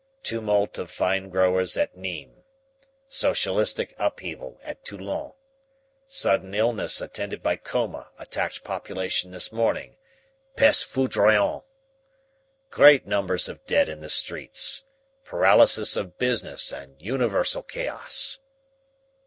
Tumult of vine growers at Nimes. Socialistic upheaval at Toulon. Sudden illness attended by coma attacked population this morning. Peste foudroyante. Great numbers of dead in the streets. Paralysis of business and universal chaos.'